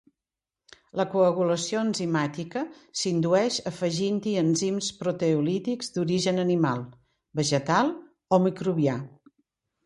La coagulació enzimàtica s’indueix afegint-hi enzims proteolítics d’origen animal, vegetal o microbià.